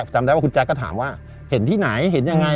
จำได้ว่าคุณแจ๊คก็ถามว่าเห็นที่ไหนเห็นยังไง